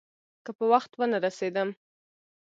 که په وخت ونه رسېدم.